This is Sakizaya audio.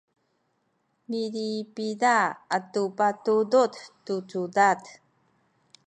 milipida atu patudud tu cudad